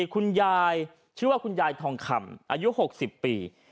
คุณยายชื่อว่าคุณยายทองคำอายุ๖๐ปี